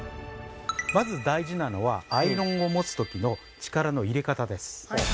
まず大事なのはアイロンを持つときの力の入れ方です。